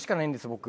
僕。